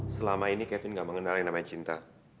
selama ini kevin gak mengenal yang namanya cinta